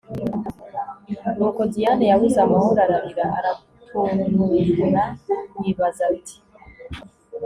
Nuko Diane yabuze amahoro ararira aratunturaYibaza ati«